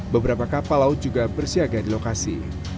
beberapa kapal laut juga bersiaga di lokasi